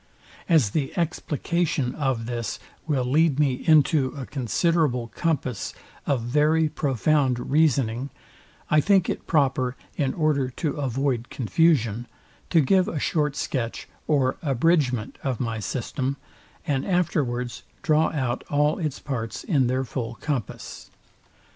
As the explication of this will lead me into a considerable compass of very profound reasoning; I think it proper, in order to avoid confusion, to give a short sketch or abridgment of my system, and afterwards draw out all its parts in their full compass.